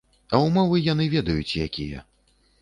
А ўмовы яны ведаюць, якія.